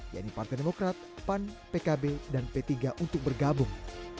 yaitu partai demokrat pan pkb dan p tiga untuk bergabung